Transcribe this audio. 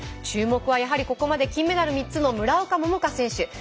注目はやはりここまで金メダル３つの村岡桃佳選手。